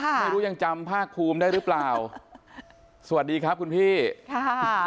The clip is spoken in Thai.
ไม่รู้ยังจำภาคภูมิได้หรือเปล่าสวัสดีครับคุณพี่ค่ะ